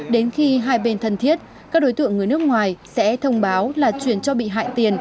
đến khi hai bên thân thiết các đối tượng người nước ngoài sẽ thông báo là chuyển cho bị hại tiền